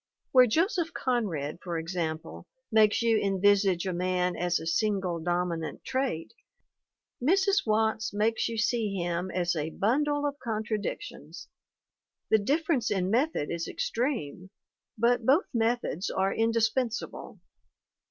Where Joseph Conrad, for example, makes you envisage a man as a single dominant trait, Mrs. Watts makes you see him as a bundle of contradictions. The difference in method is extreme, but both methods are indispensable.